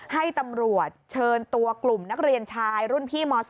ให้ตำรวจเชิญตัวกลุ่มนักเรียนชายรุ่นพี่ม๒